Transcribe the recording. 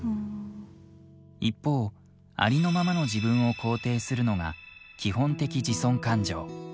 一方、ありのままの自分を肯定するのが「基本的自尊感情」。